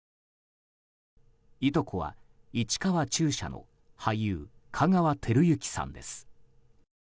いとこは市川中車の俳優・香川照之さんです。